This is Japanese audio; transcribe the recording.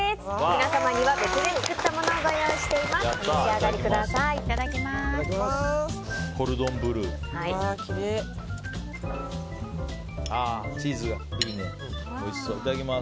皆様には別で作ったものをご用意しております。